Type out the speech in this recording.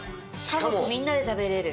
家族みんなで食べれる。